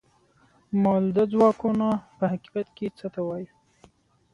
مؤلده ځواکونه په حقیقت کې څه ته وايي؟